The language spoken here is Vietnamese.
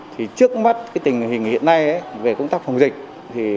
thì trước mắt tình hình hiện nay về công tác phòng dịch